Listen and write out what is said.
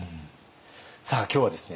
さあ今日はですね